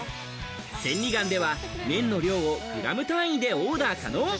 千里眼では麺の量をグラム単位でオーダー可能。